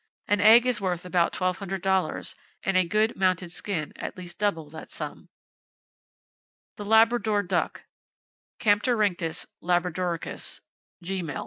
An egg is worth about $1200 and a good mounted skin at least double that sum. The Labrador Duck, —Camptorhynchus labradoricus, (Gmel.).